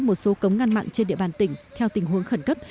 một số cống ngăn mặn trên địa bàn tỉnh theo tình huống khẩn cấp